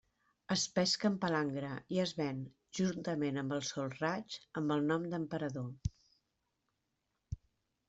Es pesca amb palangre i es ven, juntament amb el solraig, amb el nom d'emperador.